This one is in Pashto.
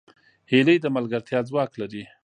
هیلۍ د ملګرتیا ځواک لري